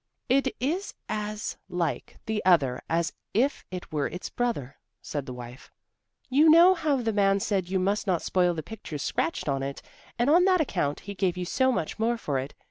"It is as like the other as if it were its brother," said the wife. "You know how the man said you must not spoil the pictures scratched on it, and on that account he gave you so much more for it.